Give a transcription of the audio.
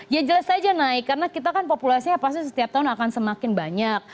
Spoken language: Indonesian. ya jelas saja naik karena kita kan populasinya pasti setiap tahun akan semakin banyak